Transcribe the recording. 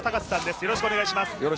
よろしくお願いします。